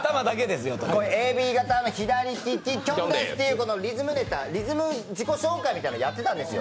「ＡＢ型の左利き、きょんです！」というリズムネタ、リズム自己紹介みたいなのをやってたんです。